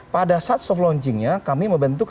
pada saat soft launchingnya kami membentuk